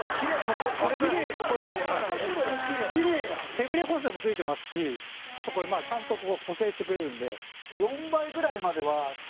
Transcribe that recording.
手ブレ補正も付いてますしあと、ちゃんと補正してくれるので。